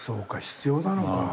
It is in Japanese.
必要なのか。